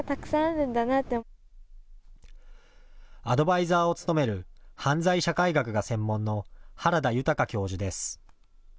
アドバイザーを務める犯罪社会学が専門の原田豊教授です。